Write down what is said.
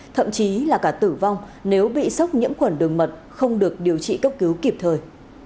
thậm chí là cả tử vong nếu bị sốc nhiễm khuẩn đường mật không được điều trị cấp cứu kịp thời